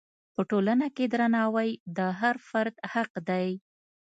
په ټولنه کې درناوی د هر فرد حق دی.